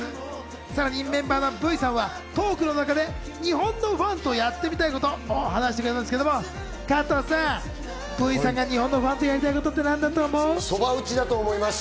さらにメンバーのＶさんはトークの中で日本のファンとやってみたいことをお話してくれたんですけど、加藤さん、Ｖさんが日本のファンとやりたいことは何だと思いますか？